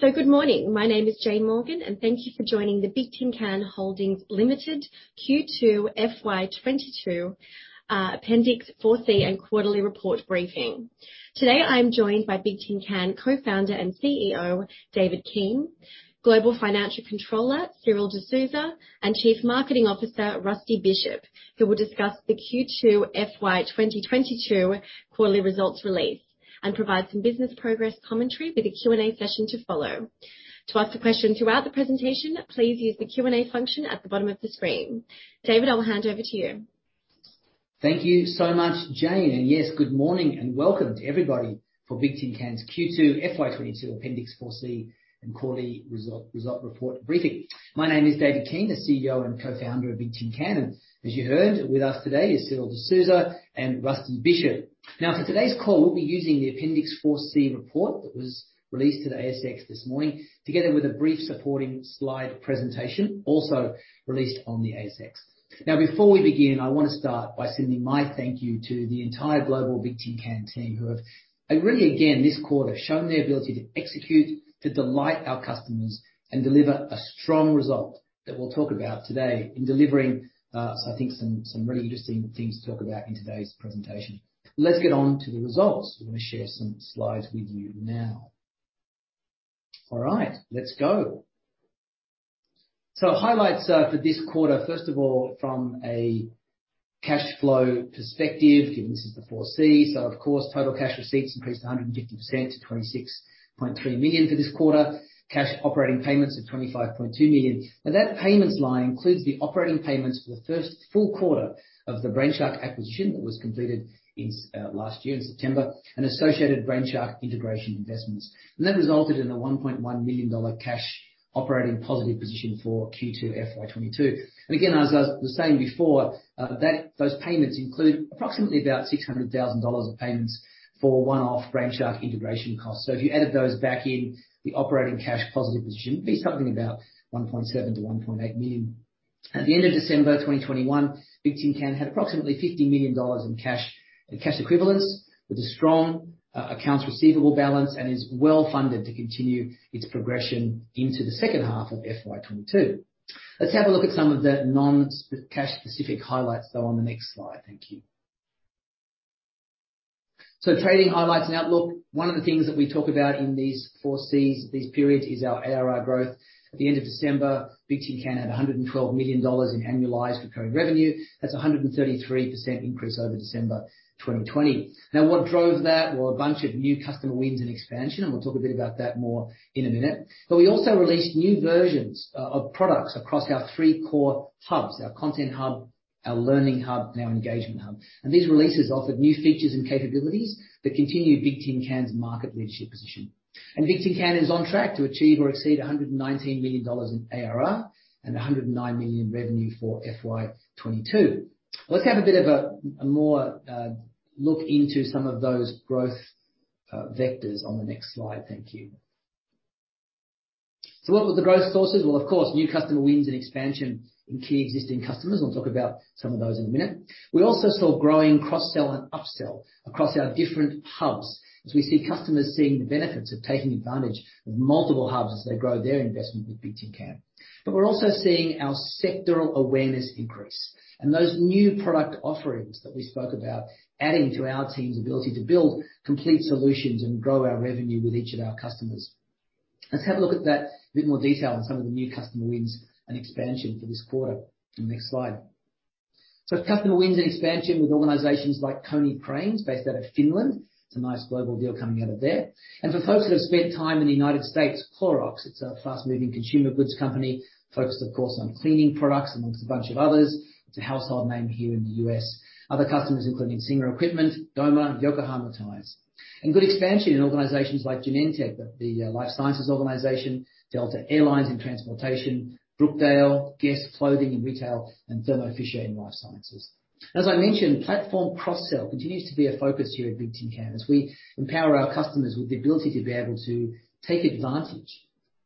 Good morning. My name is Jane Morgan, and thank you for joining the Bigtincan Holdings Limited Q2 FY 2022 appendix 4C and quarterly report briefing. Today, I'm joined by Bigtincan Co-founder and CEO David Keane, Global Financial Controller Cyril Desouza, and Chief Marketing Officer Rusty Bishop, who will discuss the Q2 FY 2022 quarterly results release and provide some business progress commentary with a Q&A session to follow. To ask a question throughout the presentation, please use the Q&A function at the bottom of the screen. David, I'll hand over to you. Thank you so much, Jane. Yes, good morning and welcome to everybody for Bigtincan's Q2 FY 2022 appendix 4C and quarterly result report briefing. My name is David Keane, the CEO and Co-Founder of Bigtincan. As you heard, with us today is Cyril Desouza and Rusty Bishop. Now, for today's call, we'll be using the appendix 4C report that was released to the ASX this morning, together with a brief supporting slide presentation, also released on the ASX. Now, before we begin, I wanna start by sending my thank you to the entire global Bigtincan team, who have really, again, this quarter, shown their ability to execute, to delight our customers, and deliver a strong result that we'll talk about today in delivering, I think some really interesting things to talk about in today's presentation. Let's get on to the results. We're gonna share some slides with you now. All right, let's go. Highlights for this quarter, first of all, from a cash flow perspective, given this is the 4C, so of course, total cash receipts increased 150% to 26.3 million for this quarter. Cash operating payments of 25.2 million. Now, that payments line includes the operating payments for the first full quarter of the Brainshark acquisition that was completed in last year in September, and associated Brainshark integration investments. That resulted in a 1.1 million dollar cash operating positive position for Q2 FY 2022. Again, as I was saying before, those payments include approximately about 600,000 dollars of payments for one-off Brainshark integration costs. If you added those back in the operating cash positive position, it'd be something about 1.7 million-1.8 million. At the end of December 2021, Bigtincan had approximately 50 million dollars in cash, in cash equivalents with a strong accounts receivable balance and is well-funded to continue its progression into the second half of FY 2022. Let's have a look at some of the non-cash specific highlights, though, on the next slide. Thank you. Trading highlights and outlook. One of the things that we talk about in these four Cs, these periods, is our ARR growth. At the end of December, Bigtincan had 112 million dollars in annualized recurring revenue. That's a 133% increase over December 2020. Now, what drove that were a bunch of new customer wins and expansion, and we'll talk a bit about that more in a minute. We also released new versions of products across our three core hubs, our Content Hub, our Learning Hub, and our Engagement Hub. These releases offered new features and capabilities that continue Bigtincan's market leadership position. Bigtincan is on track to achieve or exceed 119 million dollars in ARR and 109 million in revenue for FY 2022. Let's have a bit of a more look into some of those growth vectors on the next slide. Thank you. What were the growth sources? Well, of course, new customer wins and expansion in key existing customers. I'll talk about some of those in a minute. We also saw growing cross-sell and upsell across our different hubs as we see customers seeing the benefits of taking advantage of multiple hubs as they grow their investment with Bigtincan. We're also seeing our sectoral awareness increase. Those new product offerings that we spoke about adding to our team's ability to build complete solutions and grow our revenue with each of our customers. Let's have a look at that in a bit more detail on some of the new customer wins and expansion for this quarter in the next slide. Customer wins and expansion with organizations like Konecranes based out of Finland. It's a nice global deal coming out of there. For folks that have spent time in the United States, Clorox, it's a fast-moving consumer goods company focused, of course, on cleaning products among a bunch of others. It's a household name here in the U.S. Other customers including Singer Equipment, Doma, Yokohama Tires. Good expansion in organizations like Genentech, life sciences organization, Delta Air Lines in transportation, Brookdale, GUESS clothing and retail, and Thermo Fisher in life sciences. As I mentioned, platform cross-sell continues to be a focus here at Bigtincan as we empower our customers with the ability to be able to take advantage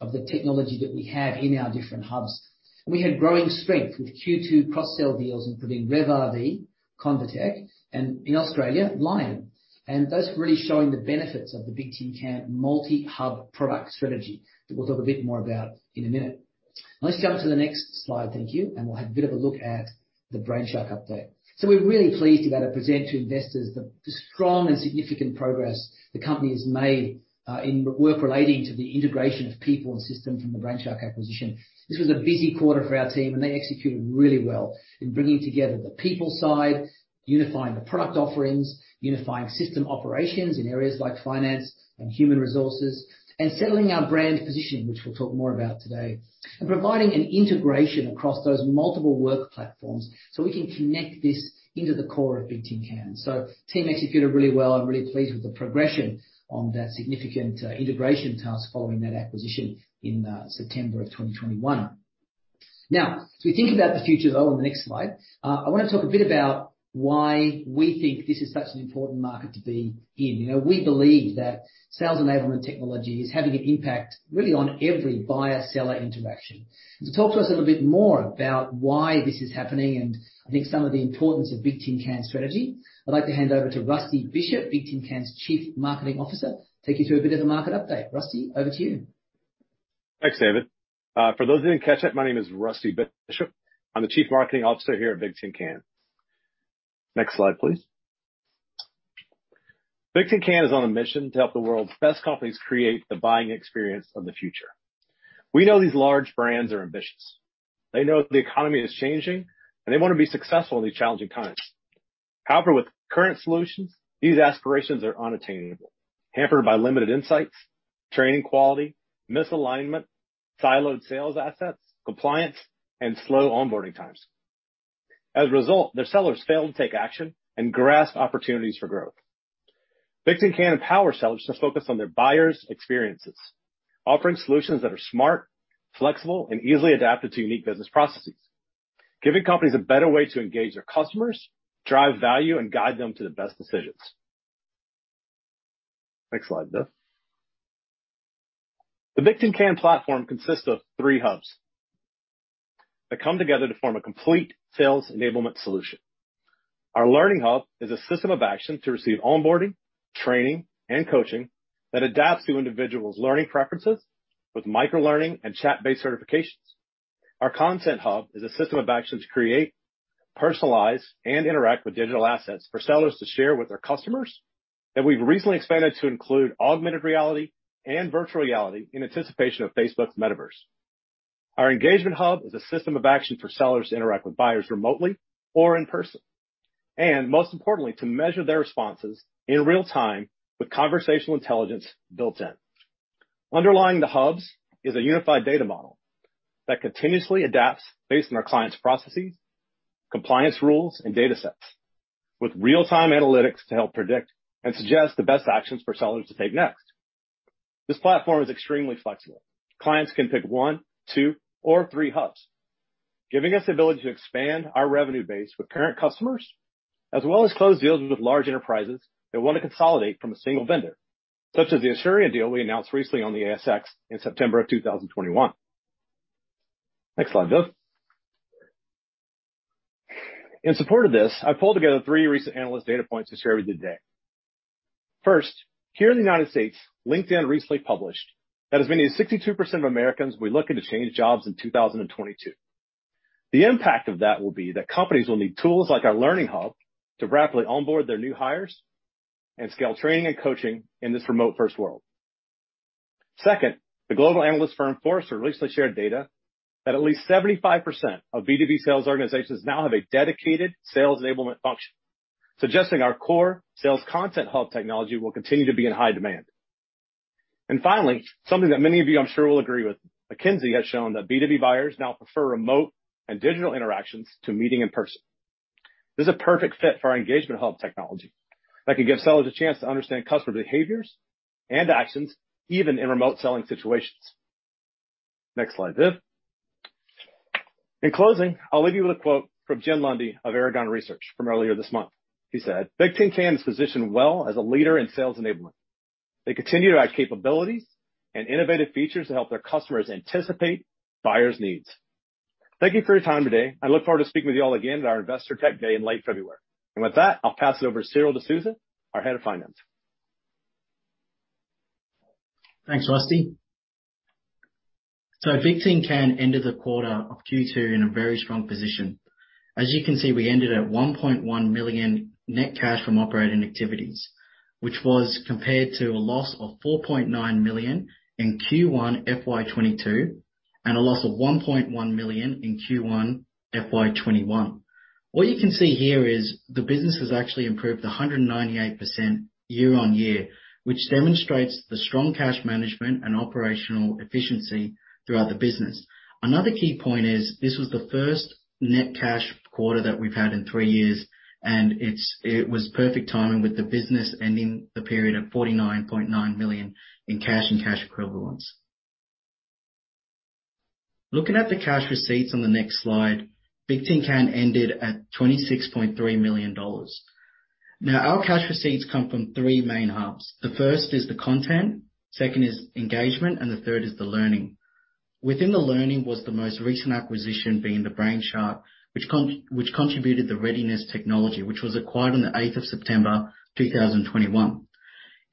of the technology that we have in our different hubs. We had growing strength with Q2 cross-sell deals including RevRV, Convatec, and in Australia, Lion. Those really showing the benefits of the Bigtincan multi-hub product strategy, that we'll talk a bit more about in a minute. Let's go to the next slide. Thank you. We'll have a bit of a look at the Brainshark update. We're really pleased to be able to present to investors the strong and significant progress the company has made in work relating to the integration of people and system from the Brainshark acquisition. This was a busy quarter for our team, and they executed really well in bringing together the people side, unifying the product offerings, unifying system operations in areas like finance and human resources, and settling our brand position, which we'll talk more about today. Providing an integration across those multiple work platforms, so we can connect this into the core of Bigtincan. Team executed really well. I'm really pleased with the progression on that significant integration task following that acquisition in September of 2021. Now, as we think about the future, though, on the next slide, I wanna talk a bit about why we think this is such an important market to be in. You know, we believe that sales enablement technology is having an impact really on every buyer-seller interaction. To talk to us a little bit more about why this is happening and I think some of the importance of Bigtincan's strategy, I'd like to hand over to Rusty Bishop, Bigtincan's Chief Marketing Officer. Take you through a bit of a market update. Rusty, over to you. Thanks, David. For those who didn't catch it, my name is Rusty Bishop. I'm the Chief Marketing Officer here at Bigtincan. Next slide, please. Bigtincan is on a mission to help the world's best companies create the buying experience of the future. We know these large brands are ambitious. They know the economy is changing, and they wanna be successful in these challenging times. However, with current solutions, these aspirations are unattainable, hampered by limited insights, training quality, misalignment, siloed sales assets, compliance, and slow onboarding times. As a result, their sellers fail to take action and grasp opportunities for growth. Bigtincan empower sellers to focus on their buyers' experiences, offering solutions that are smart, flexible, and easily adapted to unique business processes, giving companies a better way to engage their customers, drive value, and guide them to the best decisions. Next slide, David. The Bigtincan platform consists of three hubs that come together to form a complete sales enablement solution. Our Learning Hub is a system of action to receive onboarding, training, and coaching that adapts to individuals' learning preferences with microlearning and chat-based certifications. Our Content Hub is a system of actions to create, personalize, and interact with digital assets for sellers to share with their customers that we've recently expanded to include augmented reality and virtual reality in anticipation of Facebook's metaverse. Our Engagement Hub is a system of action for sellers to interact with buyers remotely or in person, and most importantly, to measure their responses in real-time with conversational intelligence built in. Underlying the hubs is a unified data model that continuously adapts based on our clients' processes, compliance rules, and datasets with real-time analytics to help predict and suggest the best actions for sellers to take next. This platform is extremely flexible. Clients can pick one, two, or three hubs, giving us the ability to expand our revenue base with current customers, as well as close deals with large enterprises that wanna consolidate from a single vendor, such as the Asurion deal we announced recently on the ASX in September of 2021. Next slide. In support of this, I pulled together three recent analyst data points to share with you today. First, here in the United States, LinkedIn recently published that as many as 62% of Americans will be looking to change jobs in 2022. The impact of that will be that companies will need tools like our Learning Hub to rapidly onboard their new hires and scale training and coaching in this remote-first world. Second, the global analyst firm Forrester recently shared data that at least 75% of B2B sales organizations now have a dedicated sales enablement function, suggesting our core sales content hub technology will continue to be in high demand. Finally, something that many of you, I'm sure, will agree with. McKinsey has shown that B2B buyers now prefer remote and digital interactions to meeting in person. This is a perfect fit for our Engagement Hub technology that can give sellers a chance to understand customer behaviors and actions even in remote selling situations. Next slide, Div. In closing, I'll leave you with a quote from Jim Lundy of Aragon Research from earlier this month. She said, "Bigtincan is positioned well as a leader in sales enablement. They continue to add capabilities and innovative features to help their customers anticipate buyers' needs." Thank you for your time today. I look forward to speaking with you all again at our Investor Tech Day in late February. With that, I'll pass it over to Cyril Desouza, our Head of Finance. Thanks, Rusty. Bigtincan ended the quarter of Q2 in a very strong position. As you can see, we ended at 1.1 million net cash from operating activities, which was compared to a loss of 4.9 million in Q1 FY 2022, and a loss of 1.1 million in Q1 FY 2021. What you can see here is the business has actually improved 198% year-on-year, which demonstrates the strong cash management and operational efficiency throughout the business. Another key point is this was the first net cash quarter that we've had in three years, and it was perfect timing with the business ending the period of 49.9 million in cash and cash equivalents. Looking at the cash receipts on the next slide, Bigtincan ended at 26.3 million dollars. Now, our cash receipts come from three main hubs. The first is the content, second is engagement, and the third is the learning. Within the learning was the most recent acquisition being the Brainshark, which contributed the readiness technology, which was acquired on the eighth of September 2021.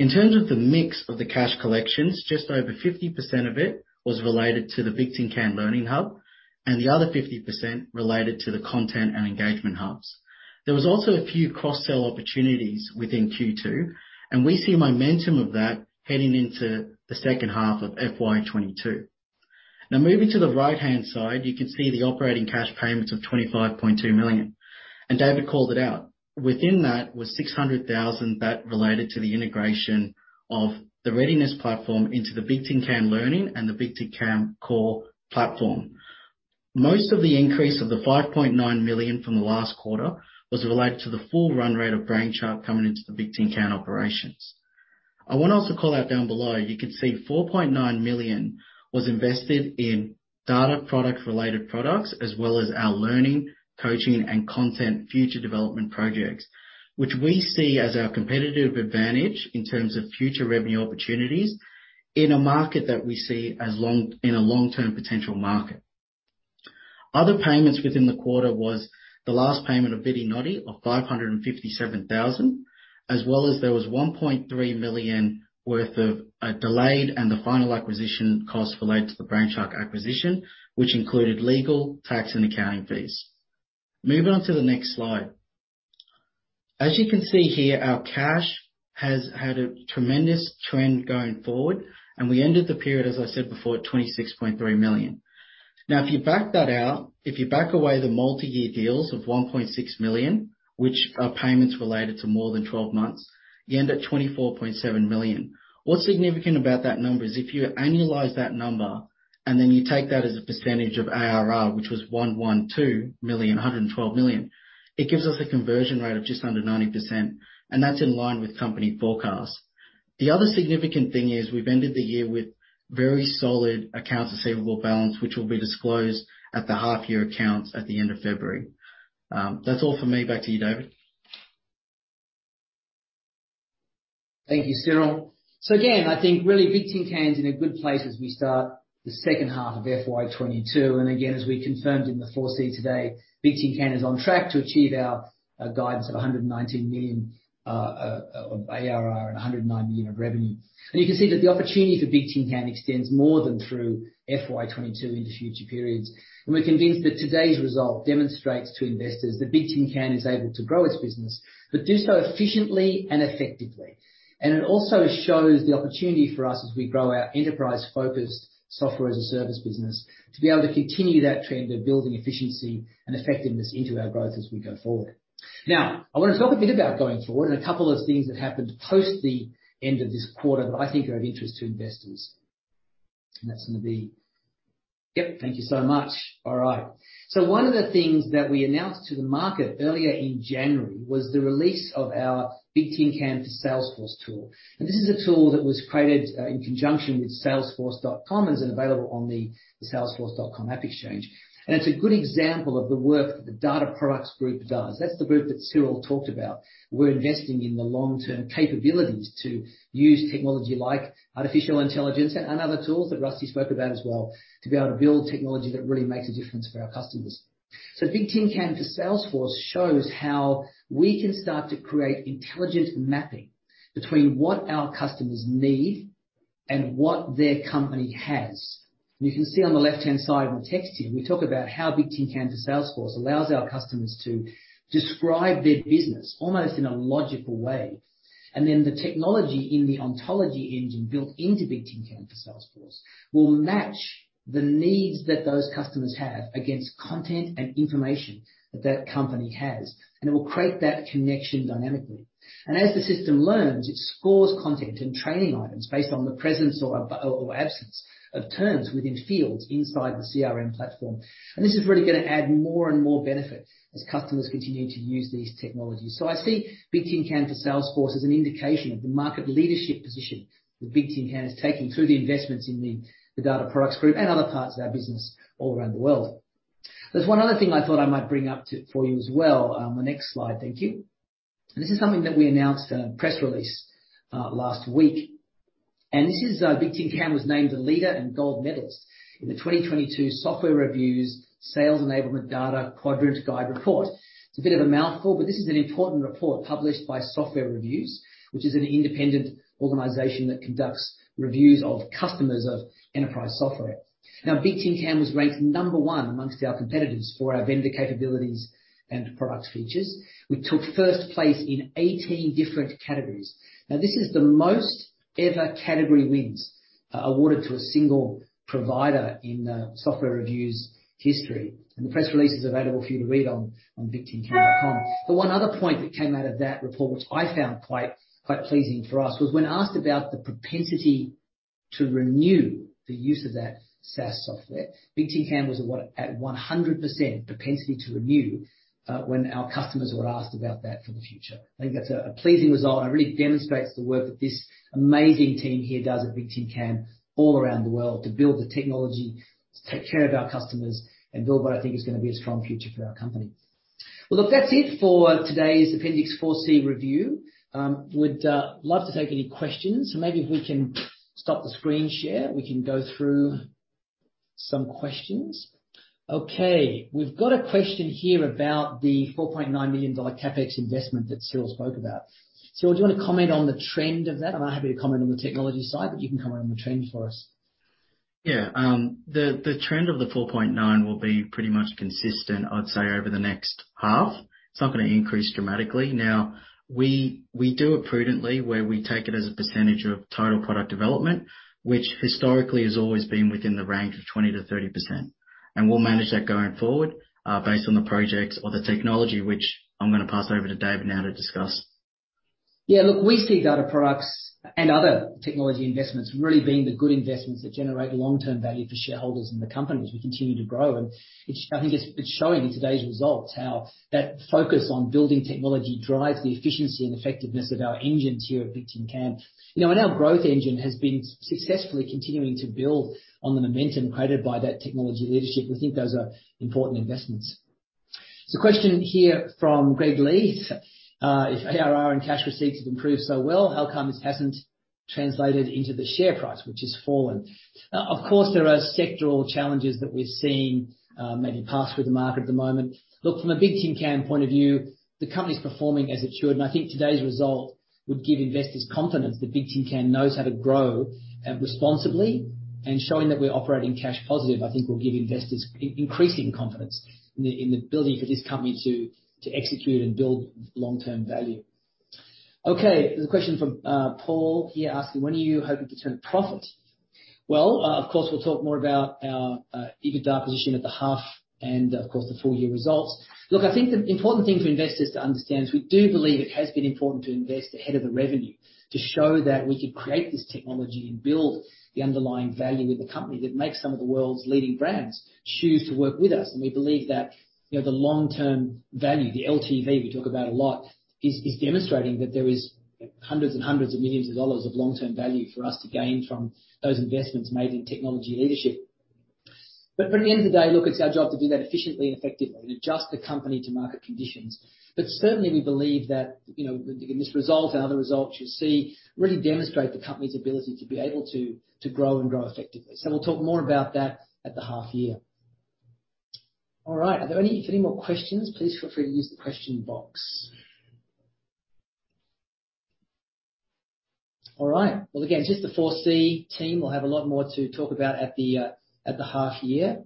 In terms of the mix of the cash collections, just over 50% of it was related to the Bigtincan Learning Hub, and the other 50% related to the content and engagement hubs. There was also a few cross-sell opportunities within Q2, and we see momentum of that heading into the second half of FY 2022. Now, moving to the right-hand side, you can see the operating cash payments of 25.2 million. David called it out. Within that was 600,000 that related to the integration of the readiness platform into the Bigtincan Learning and the Bigtincan Core platform. Most of the increase of 5.9 million from the last quarter was related to the full run rate of Brainshark coming into the Bigtincan operations. I wanna also call out down below. You can see 4.9 million was invested in data product related products, as well as our learning, coaching, and content future development projects, which we see as our competitive advantage in terms of future revenue opportunities in a market that we see as long. In a long-term potential market. Other payments within the quarter was the last payment of Vidinoti of 557,000, as well as there was AUD 1.3 million worth of delayed and the final acquisition costs related to the Brainshark acquisition, which included legal, tax, and accounting fees. Moving on to the next slide. As you can see here, our cash has had a tremendous trend going forward, and we ended the period, as I said before, at 26.3 million. Now, if you back away the multi-year deals of 1.6 million, which are payments related to more than twelve months, you end at 24.7 million. What's significant about that number is if you annualize that number, and then you take that as a percentage of ARR, which was 112 million, it gives us a conversion rate of just under 90%, and that's in line with company forecast. The other significant thing is we've ended the year with very solid accounts receivable balance, which will be disclosed at the half year accounts at the end of February. That's all for me. Back to you, David. Thank you, Cyril. Again, I think really Bigtincan's in a good place as we start the second half of FY 2022. Again, as we confirmed in the 4C today, Bigtincan is on track to achieve our guidance of 119 million of ARR and 109 million of revenue. You can see that the opportunity for Bigtincan extends more than through FY 2022 into future periods. We're convinced that today's result demonstrates to investors that Bigtincan is able to grow its business, but do so efficiently and effectively. It also shows the opportunity for us as we grow our enterprise-focused software as a service business to be able to continue that trend of building efficiency and effectiveness into our growth as we go forward. Now, I wanna talk a bit about going forward and a couple of things that happened post the end of this quarter that I think are of interest to investors. One of the things that we announced to the market earlier in January was the release of our Bigtincan for Salesforce tool. This is a tool that was created in conjunction with salesforce.com and is available on the salesforce.com AppExchange. It's a good example of the work the data products group does. That's the group that Cyril talked about. We're investing in the long-term capabilities to use technology like artificial intelligence and other tools that Rusty spoke about as well, to be able to build technology that really makes a difference for our customers. Bigtincan for Salesforce shows how we can start to create intelligent mapping between what our customers need and what their company has. You can see on the left-hand side in the text here, we talk about how Bigtincan for Salesforce allows our customers to describe their business almost in a logical way. Then the technology in the ontology engine built into Bigtincan for Salesforce will match the needs that those customers have against content and information that that company has. It will create that connection dynamically. As the system learns, it scores content and training items based on the presence or absence of terms within fields inside the CRM platform. This is really gonna add more and more benefit as customers continue to use these technologies. I see Bigtincan for Salesforce as an indication of the market leadership position that Bigtincan is taking through the investments in the data products group and other parts of our business all around the world. There's one other thing I thought I might bring up for you as well. The next slide, thank you. This is something that we announced in a press release last week. This is Bigtincan was named a leader and gold medalist in the 2022 SoftwareReviews Sales Enablement Data Quadrant Guide report. It's a bit of a mouthful, but this is an important report published by SoftwareReviews, which is an independent organization that conducts reviews of customers of enterprise software. Now, Bigtincan was ranked number one among our competitors for our vendor capabilities and product features. We took first place in 18 different categories. Now, this is the most ever category wins awarded to a single provider in SoftwareReviews' history. The press release is available for you to read on bigtincan.com. The one other point that came out of that report, which I found quite pleasing for us, was when asked about the propensity to renew the use of that SaaS software. Bigtincan was at 100% propensity to renew when our customers were asked about that for the future. I think that's a pleasing result and really demonstrates the work that this amazing team here does at Bigtincan all around the world to build the technology, to take care of our customers, and build what I think is gonna be a strong future for our company. Well, look, that's it for today's Appendix 4C review. Would love to take any questions. Maybe if we can stop the screen share, we can go through some questions. Okay. We've got a question here about the 4.9 million dollar CapEx investment that Cyril spoke about. Cyril, do you wanna comment on the trend of that? I'm happy to comment on the technology side, but you can comment on the trends for us. Yeah. The trend of the 4.9 million will be pretty much consistent, I'd say, over the next half. It's not gonna increase dramatically. Now, we do it prudently where we take it as a percentage of total product development, which historically has always been within the range of 20%-30%. We'll manage that going forward, based on the projects or the technology which I'm gonna pass over to David now to discuss. Yeah. Look, we see data products and other technology investments really being the good investments that generate long-term value for shareholders in the company as we continue to grow. It's showing in today's results how that focus on building technology drives the efficiency and effectiveness of our engines here at Bigtincan. You know, our growth engine has been successfully continuing to build on the momentum created by that technology leadership. We think those are important investments. There's a question here from Greg Lee. If ARR and cash receipts have improved so well, how come this hasn't translated into the share price, which has fallen? Now, of course, there are sectoral challenges that we're seeing, maybe pass through the market at the moment. Look, from a Bigtincan point of view, the company's performing as it should. I think today's result would give investors confidence that Bigtincan knows how to grow responsibly. Showing that we're operating cash positive, I think will give investors increasing confidence in the ability for this company to execute and build long-term value. Okay. There's a question from Paul here asking: When are you hoping to turn a profit? Well, of course, we'll talk more about our EBITDA position at the half and of course, the full year results. Look, I think the important thing for investors to understand is we do believe it has been important to invest ahead of the revenue to show that we could create this technology and build the underlying value with the company that makes some of the world's leading brands choose to work with us. We believe that, you know, the long-term value, the LTV we talk about a lot, is demonstrating that there is hundreds and hundreds of millions of dollars of long-term value for us to gain from those investments made in technology leadership. By the end of the day, look, it's our job to do that efficiently and effectively and adjust the company to market conditions. Certainly, we believe that, you know, in this result and other results you see really demonstrate the company's ability to be able to grow and grow effectively. We'll talk more about that at the half year. All right. If you have any more questions, please feel free to use the question box. All right. Well, again, just the 4C team. We'll have a lot more to talk about at the half year.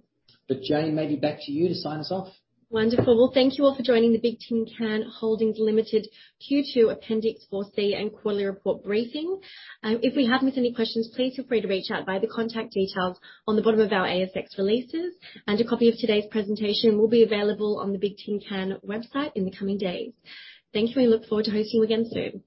Jane, maybe back to you to sign us off. Wonderful. Well, thank you all for joining the Bigtincan Holdings Limited Q2 Appendix 4C and quarterly report briefing. If we have missed any questions, please feel free to reach out via the contact details on the bottom of our ASX releases. A copy of today's presentation will be available on the Bigtincan website in the coming days. Thank you, and look forward to hosting you again soon.